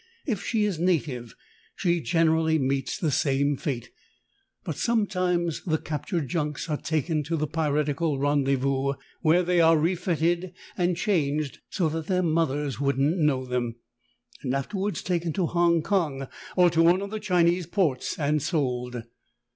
If she is native she generally meets the same fate, but sometimes the captured junks are taken to the piratical rendez vous where they are refitted and changed so that their mothers wouldn't know them, and after ward taken to Hong Kong or to one of the Chi nese ports and sold.